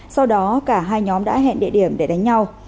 sau đó cả hai nhóm đã hẹn địa điểm để đánh nhau